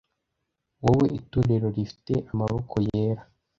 wowe itorero rifite amaboko yera